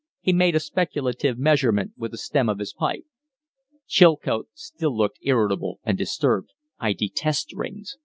He made a speculative measurement with the stem of his pipe. Chilcote still looked irritable and disturbed. "I detest rings.